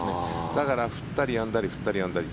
だから、降ったりやんだり降ったりやんだり。